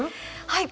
はい。